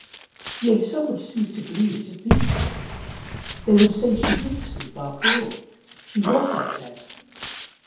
Yea, some would cease to believe that it had been. They would say she did sleep after all she was not dead.